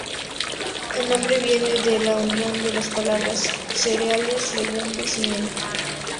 El nombre viene de la unión de las palabras "cereales, legumbres y miel".